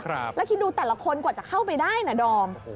แล้วคิดดูแต่ละคนกว่าจะเข้าไปได้นะดอม